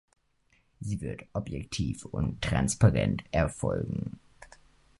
Sie wird objektiv und transparent erfolgen.